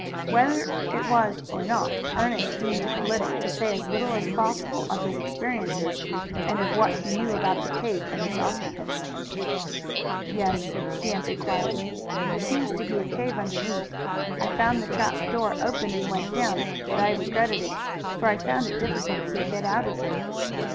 Whether it was or not Ernest deemed it politic to say as little as possible of his experiences and of what he knew about the cave and its occupants. "Yes," he answered quietly; "there seems to be a cave underneath. I found the trap door open and went down, but I regretted it, for I found it difficult to get out again."